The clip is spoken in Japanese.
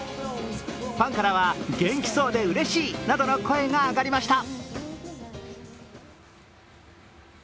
ファンからは、元気そうでうれしいなどの声が上がりました。